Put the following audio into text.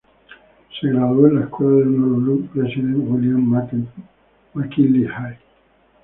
Se graduó de la Escuela de Honolulu Presidente William McKinley High.